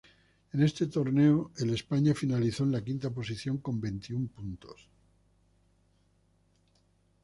En ese torneo, el España finalizó en la quinta posición con veintiún puntos.